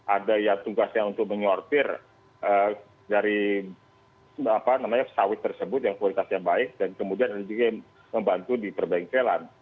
ada ya tugasnya untuk menyortir dari sawit tersebut yang kualitasnya baik dan kemudian ada juga yang membantu di perbengkelan